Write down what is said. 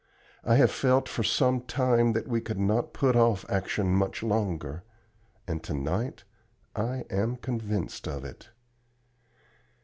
I have felt for some time that we could not put off action much longer, and to night I am convinced of it."